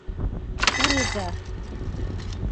Пурыза.